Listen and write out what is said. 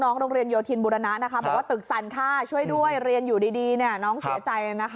โรงเรียนโยธินบุรณะนะคะบอกว่าตึกสั่นค่ะช่วยด้วยเรียนอยู่ดีน้องเสียใจ